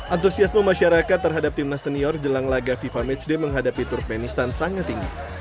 antusiasme masyarakat terhadap timnas senior jelang laga fifa matchday menghadapi turkmenistan sangat tinggi